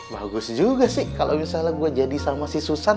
bagus juga sih kalau misalnya gue jadi sama si susan